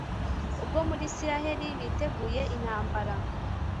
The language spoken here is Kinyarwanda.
ubwo muri israheli biteguye intambara